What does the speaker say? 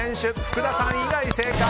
福田さん以外正解！